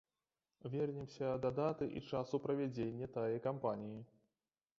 Вернемся да даты і часу правядзення тае кампаніі.